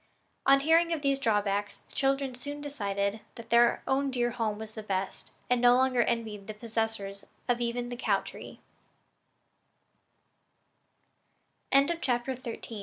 On hearing of these drawbacks the children soon decided that their own dear home was the best, and no longer envied the possessors even of the cow tree.